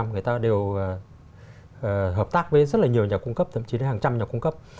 người ta đều hợp tác với rất là nhiều nhà cung cấp thậm chí là hàng trăm nhà cung cấp